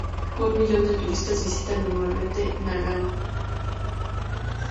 Un millón de turistas visitan anualmente Nagano.